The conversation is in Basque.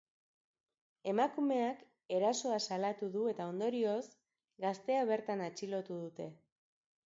Emakumeak erasoa salatu du eta ondorioz, gaztea bertan atxilotu dute.